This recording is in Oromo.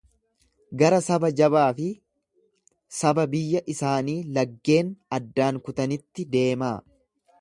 Gara saba jabaa fi saba biyya isaanii laggeen addaan kutanitti deemaa.